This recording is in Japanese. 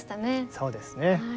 そうですね。